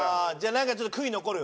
なんかちょっと悔い残る？